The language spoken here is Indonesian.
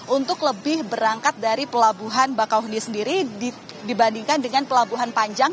untuk lebih berangkat dari pelabuhan bakauheni sendiri dibandingkan dengan pelabuhan panjang